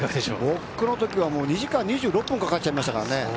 僕は２時間２６分かかってしまいましたからね。